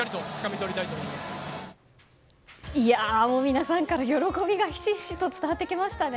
皆さんから喜びがひしひしと伝わってきましたね。